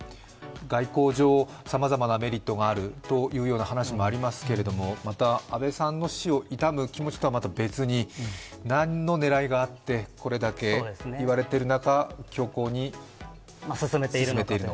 外交上、さまざまなメリットがあるという話もありますが、また安倍さんの死を悼む気持ちとはまた別に何の狙いがあって、これだけ言われている中、強硬に進めているのかと。